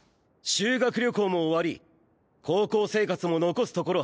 修学旅行も終わり高校生活も残すところ